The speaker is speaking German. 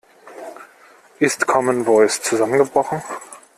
Ist Commen Voice zusammengebrochen?